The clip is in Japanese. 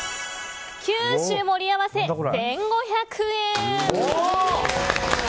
九種盛合せ、１５００円。